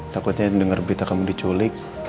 takutnya dengar berita kamu diculik